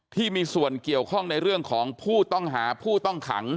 ที่มีส่วนเกี่ยวข้องในเรื่องของผู้ต้องหาผู้ต้องขัง